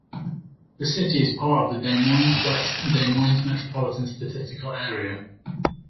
The city is part of the Des Moines-West Des Moines Metropolitan Statistical Area.